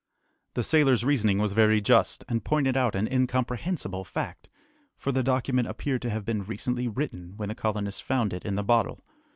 The sailor's reasoning was very just, and pointed out an incomprehensible fact, for the document appeared to have been recently written, when the colonists found it in the bottle.